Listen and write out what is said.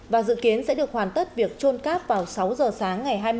và dự kiến sẽ được hoàn tất việc trôn cáp vào sáu giờ sáng ngày hai mươi một tháng tám